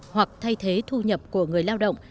hoặc thay thế thu nhập của người lao động